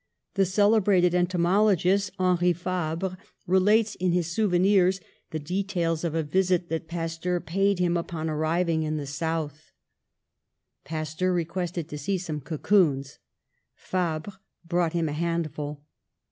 The celebrated entomologist, Henri Fabre, re lates in his Souvenirs the details of a visit that Pasteur paid him upon arriving in the South. 90 PASTEUR Pasteur requested to see some cocoons. Fabre brought him a handful.